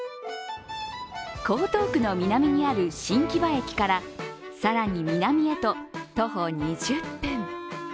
江東区の南にある新木場駅から更に南へと徒歩２０分。